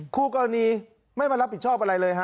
คู่กรณีไม่มารับผิดชอบอะไรเลยฮะ